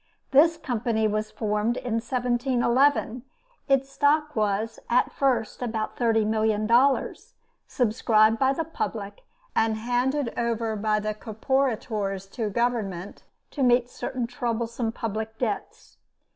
This Company was formed in 1711; its stock was at first about $30,000,000, subscribed by the public and handed over by the corporators to Government to meet certain troublesome public debts.